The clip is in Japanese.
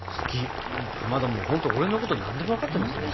かまどもうほんと俺のこと何でも分かってますね。